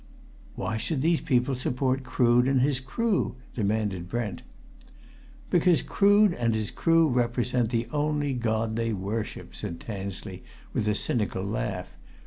"Why should these people support Crood and his crew?" demanded Brent. "Because Crood and his crew represent the only god they worship!" said Tansley, with a cynical laugh.